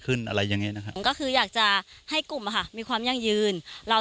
ชาวนาในพื้นที่เข้ารวมกลุ่มและสร้างอำนาจต่อรองได้